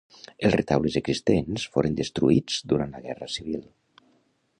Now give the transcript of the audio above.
Els retaules existents foren destruïts durant la Guerra Civil.